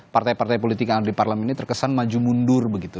partai partai politik yang ada di parlemen ini terkesan maju mundur begitu